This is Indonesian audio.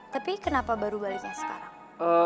tapi kenapa baru baliknya sekarang